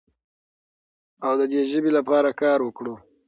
او د دې ژبې لپاره کار وکړو.